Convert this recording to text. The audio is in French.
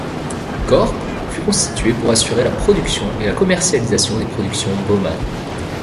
Corp fut constituée pour assurer la production et la commercialisation des productions Baumann.